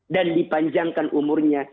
dan dipanjangkan umurnya